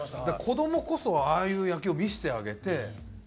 だから子どもこそああいう野球を見せてあげて。